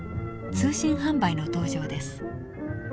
通信販売の登場です。